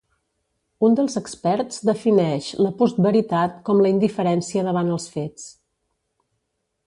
Un dels experts defineix la postveritat com la indiferència davant els fets.